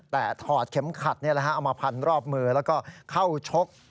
แต่ถอดเข็มขัดเอามาพันรอบมือแล้วก็เข้าชก